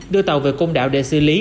đưa tàu về côn đảo để xử lý